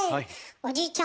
おじいちゃん